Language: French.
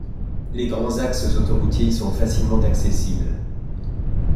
Les grands axes autoroutiers y sont facilement accessibles.